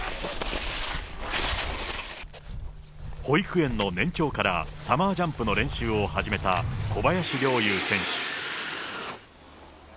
保育園の年長からサマージャンプの練習を始めた小林陵侑選手。